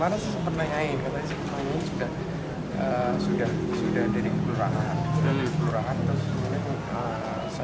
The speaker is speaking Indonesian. kemarin saya pernah nanya saya bilang ini sudah dari kelurahan